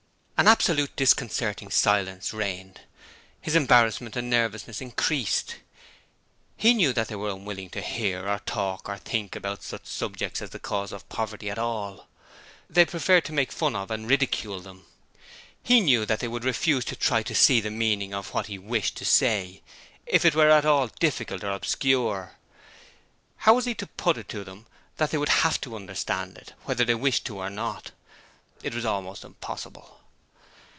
An absolute, disconcerting silence reigned. His embarrassment and nervousness increased. He knew that they were unwilling to hear or talk or think about such subjects as the cause of poverty at all. They preferred to make fun of and ridicule them. He knew they would refuse to try to see the meaning of what he wished to say if it were at all difficult or obscure. How was he to put it to them so that they would HAVE to understand it whether they wished to or not. It was almost impossible.